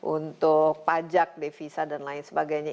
untuk pajak devisa dan lain sebagainya